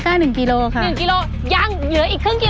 ลองไม้นี่ลองนี่